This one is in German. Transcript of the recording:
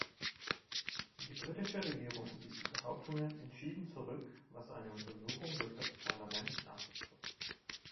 Die britische Regierung wies die Behauptungen entschieden zurück, was eine Untersuchung durch das Parlament nach sich zog.